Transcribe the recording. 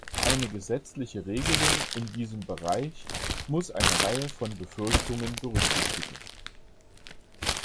Eine gesetzliche Regelung in diesem Bereich muss eine Reihe von Befürchtungen berücksichtigen.